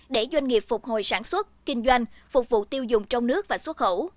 để doanh nghiệp phục hồi sản xuất kinh doanh phục vụ tiêu dùng trong nước và xuất khẩu